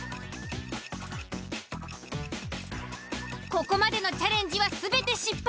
ここまでのチャレンジは全て失敗。